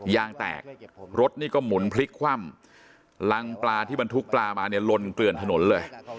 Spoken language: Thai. ยางแตกรถนี่ก็หมุนพลิกคว่ำรังปลาที่บรรทุกปลามาเนี่ยลนเกลื่อนถนนเลย